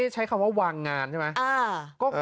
ใช้คำว่าวางงานใช่ไหม